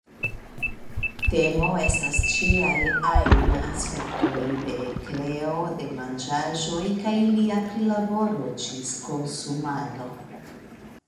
Temo estas ĉiaj ajn aspektoj de kreo de manĝaĵoj kaj ilia prilaboro ĝis konsumado.